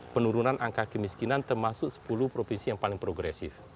penurunan angka kemiskinan termasuk sepuluh provinsi yang paling progresif